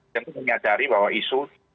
tentu menyadari bahwa isu